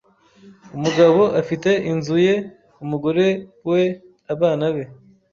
umugabo afite inzu ye umugore we abana be